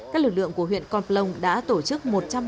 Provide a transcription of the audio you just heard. các lực lượng của huyện con plông đã tổ chức